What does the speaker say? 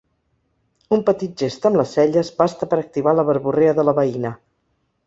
Un petit gest amb les celles basta per activar la verborrea de la veïna.